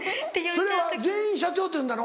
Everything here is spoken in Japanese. それは全員社長って呼んだの？